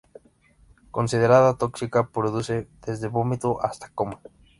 Considerada tóxica, produce desde vómito hasta coma.